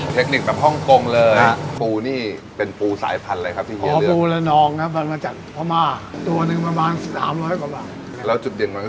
เทคนิคแบบฮ้องกงเลย